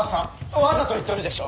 わざと言っとるでしょう！